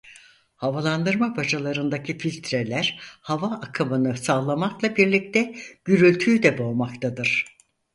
Havalandırma bacalarındaki filtreler hava aktarımını sağlamakla birlikte gürültüyü de boğmaktadır.